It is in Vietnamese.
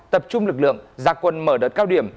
tập trung lực lượng gia quân mở đợt cao điểm